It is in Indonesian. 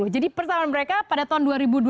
jadi persamaan mereka pada tahun dua ribu dua puluh